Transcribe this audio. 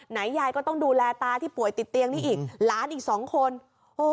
ยายก็ต้องดูแลตาที่ป่วยติดเตียงนี้อีกหลานอีกสองคนโอ้โห